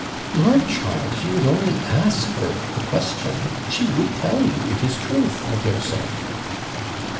'Lord, child! if you would only ask her the question, she would tell you it is truth, I daresay.'